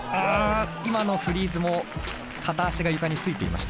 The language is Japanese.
今のフリーズも片足が床についていました。